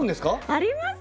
ありますよ